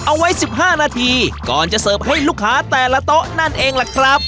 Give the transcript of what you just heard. เอาไว้๑๕นาทีก่อนจะเสิร์ฟให้ลูกค้าแต่ละโต๊ะนั่นเองล่ะครับ